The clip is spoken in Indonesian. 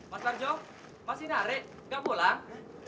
mas parjo masih nari gak pulang